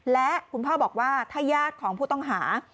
และคุณพ่อบอกว่าถ้าญาติของผู้ต้องหา